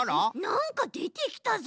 なんかでてきたぞ。